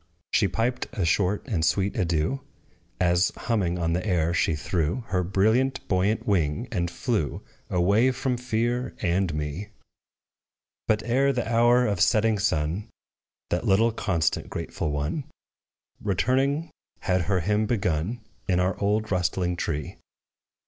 She piped a short and sweet adieu, As, humming on the air, she threw Her brilliant, buoyant wing, and flew Away from fear and me: But, ere the hour of setting sun, That little constant, grateful one, Returning, had her hymn begun In our old rustling tree.